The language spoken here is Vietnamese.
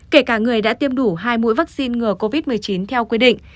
kể cả người đã tiêm đủ hai mũi vaccine ngừa covid một mươi chín theo quy định